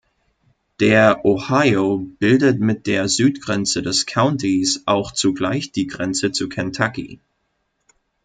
Der Ohio bildet mit der Südgrenze des Countys auch zugleich die Grenze zu Kentucky.